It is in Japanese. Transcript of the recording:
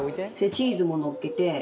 チーズものっけて。